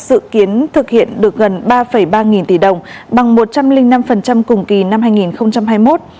dự kiến thực hiện được gần ba ba nghìn tỷ đồng bằng một trăm linh năm cùng kỳ năm hai nghìn hai mươi một